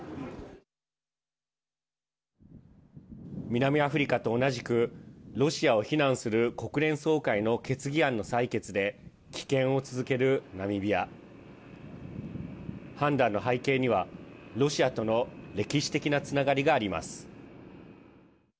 南アフリカと同じくロシアを非難する国連総会の決議案の採決で棄権を続けるナミビア。判断の背景にはロシアとの歴史的なつながりがあります。